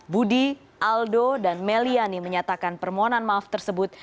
budi aldo dan meliani menyatakan permohonan maaf tersebut